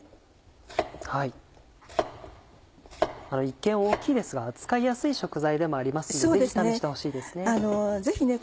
一見大きいですが扱いやすい食材でもありますのでぜひ試してほしいですね。